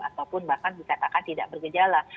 ataupun bahkan dikatakan tidak bergejala